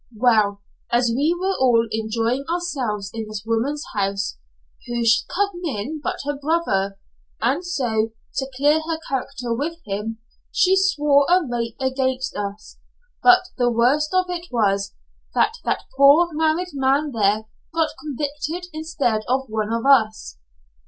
Well; as we were all enjoying ourselves in this woman's house, who should come in but her brother! and so, to clear her character with him, she swore a rape against us. But the worst of it was, that that poor married man there got convicted instead of one of us.